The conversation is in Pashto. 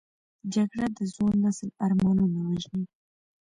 جګړه د ځوان نسل ارمانونه وژني